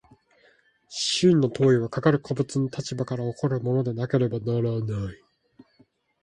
真の当為はかかる個物の立場から起こるものでなければならない。